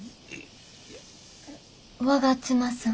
我妻さん？